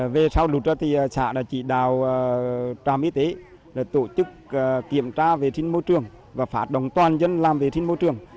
về sau lũ xã đã chỉ đào tràm y tế tổ chức kiểm tra vệ sinh môi trường và phát đồng toàn dân làm vệ sinh môi trường